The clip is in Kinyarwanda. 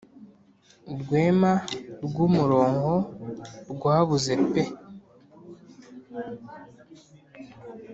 Rwema rw'umuronko rwabuze pe